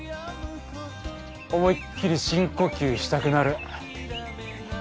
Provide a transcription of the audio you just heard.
思いっきり深呼吸したくなる。